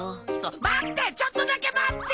待ってちょっとだけ待って！